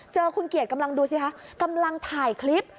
คุณเกียรติกำลังดูสิคะกำลังถ่ายคลิป